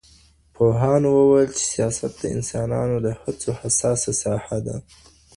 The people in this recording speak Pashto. پوهانو وويل چي سياست د انسانانو د هڅو حساسه ساحه ده.